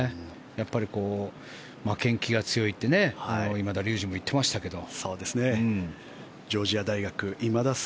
やっぱり負けん気が強いって今田竜二も言ってましたけど。